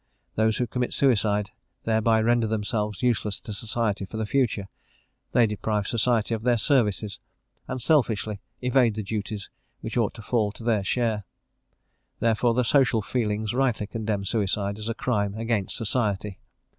Those who commit suicide thereby render themselves useless to society for the future; they deprive society of their services, and selfishly evade the duties which ought to fall to their share; therefore, the social feelings rightly condemn suicide as a crime against society.